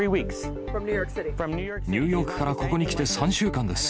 ニューヨークからここに来て３週間です。